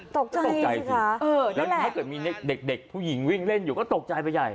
ตกใจตกใจสิคะแล้วถ้าเกิดมีเด็กผู้หญิงวิ่งเล่นอยู่ก็ตกใจไปใหญ่